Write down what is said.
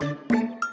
dan ini pasti benar